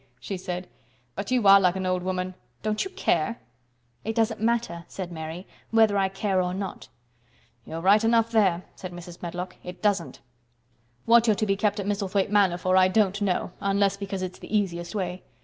she said, "but you are like an old woman. Don't you care?" "It doesn't matter" said Mary, "whether I care or not." "You are right enough there," said Mrs. Medlock. "It doesn't. What you're to be kept at Misselthwaite Manor for I don't know, unless because it's the easiest way.